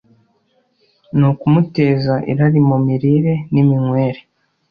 ni ukumuteza irari mu mirire n’iminywere,